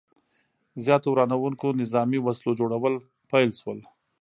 زیاتو ورانوونکو نظامي وسلو جوړول پیل شو.